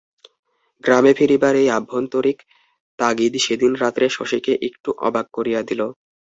গ্রামে ফিরিবার এই আভ্যন্তরিক তাগিদ সেদিন রাত্রে শশীকে একটু অবাক করিয়া দিল।